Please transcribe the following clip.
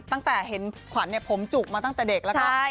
ตั้งแต่เห็นขวัญผมจุกมาตั้งแต่เด็กแล้วก็